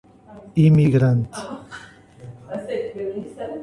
Imigrante